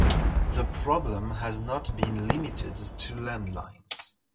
The problem has not been limited to landlines.